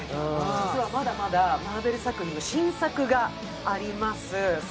実はまだまだマーベル作品の新作があります。